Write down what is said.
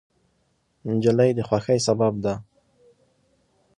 نجلۍ د خوښۍ سبب ده.